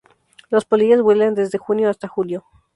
Los polillas vuelan desde junio hasta julio.